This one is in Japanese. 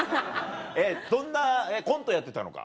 どんなコントやってたのか？